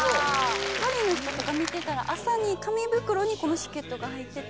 パリの人とか見てたら朝に紙袋にこのシュケットが入ってて。